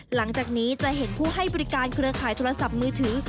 หลังจากนี้จะเห็นผู้ให้บริการเครือข่ายโทรศัพท์มือถือ